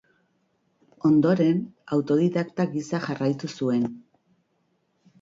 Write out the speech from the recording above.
Ondoren autodidakta gisa jarraitu zuen.